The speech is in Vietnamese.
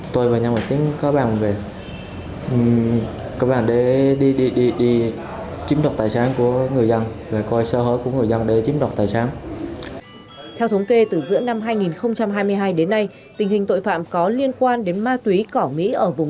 theo thống kê từ giữa năm hai nghìn hai mươi hai đến nay tình hình tội phạm có liên quan đến ma túy cỏ mỹ ở vùng